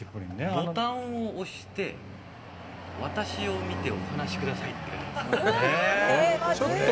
ボタンを押して私を見てお話しくださいって。